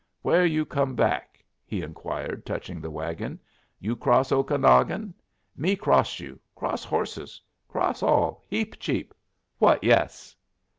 "Where you come back?" he inquired, touching the wagon. "You cross Okanagon? Me cross you; cross horses; cross all. Heap cheap. What yes?"